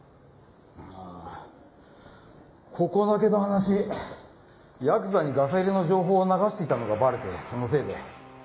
ああここだけの話ヤクザにガサ入れの情報を流していたのがバレてそのせいで。